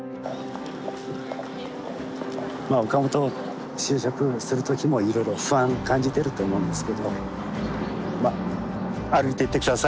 まあ岡本就職する時もいろいろ不安感じてると思うんですけどまあ歩いていって下さい。